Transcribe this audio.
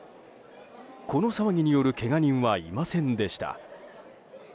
この騒ぎによるけが人はいませんでした。